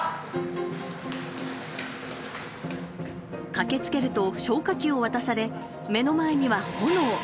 駆けつけると消火器を渡され目の前には炎。